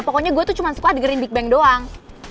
pokoknya gue tuh cuma suka dengerin big bang doang